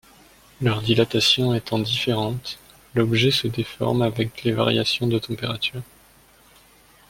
Leur dilatation étant différente, l'objet se déforme avec les variations de température.